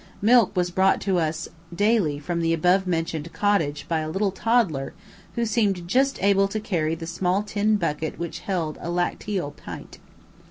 Milk was brought to us daily from the above mentioned cottage by a little toddler who seemed just able to carry the small tin bucket which held a lacteal pint.